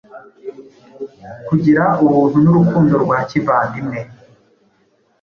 kugira ubuntu, n’urukundo rwa kivandimwe